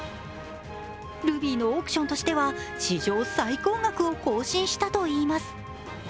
ルビーのオークションとしては史上最高額を更新したといいます。